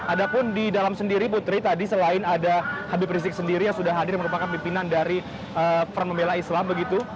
ada pun di dalam sendiri putri tadi selain ada habib rizik sendiri yang sudah hadir merupakan pimpinan dari front membela islam begitu